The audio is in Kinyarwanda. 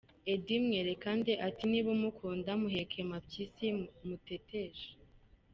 Eddy Mwerekande ati niba umukunda muheke mabyisi, muteteshe,.